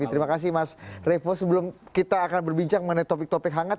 terima kasih mas revo sebelum kita akan berbincang mengenai topik topik hangat